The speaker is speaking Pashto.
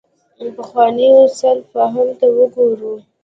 پخوانو سلف فهم ته وګورو.